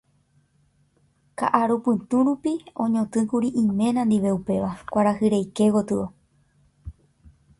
Ka'arupytũ rupi oñotỹkuri iména ndive upéva kuarahy reike gotyo.